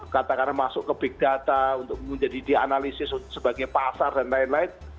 katakanlah masuk ke big data untuk menjadi dianalisis sebagai pasar dan lain lain